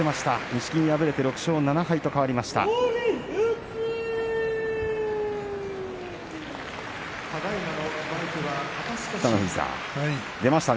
錦木、敗れて６勝７敗と変わりました。